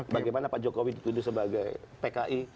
bagaimana pak jokowi dituduh sebagai pki